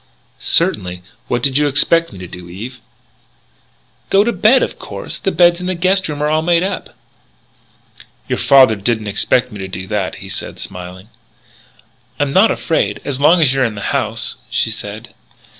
"Certainly. What did you expect me to do, Eve?" "Go to bed, of course. The beds in the guest rooms are all made up." "Your father didn't expect me to do that," he said, smiling. "I'm not afraid, as long as you're in the house," she said.